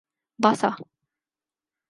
باسا